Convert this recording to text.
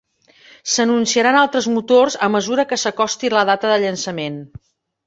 S'anunciaran altres motors a mesura que s'acosti la data de llançament.